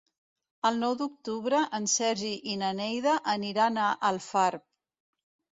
El nou d'octubre en Sergi i na Neida aniran a Alfarb.